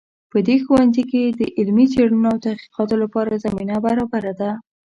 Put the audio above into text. په دې ښوونځي کې د علمي څیړنو او تحقیقاتو لپاره زمینه برابره ده